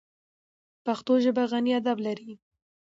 پښتو ژبه غني ادب لري.